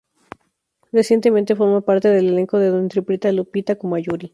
Recientemente forma parte del elenco de donde interpreta a Lupita como a Yuri.